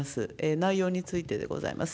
内容についてでございます。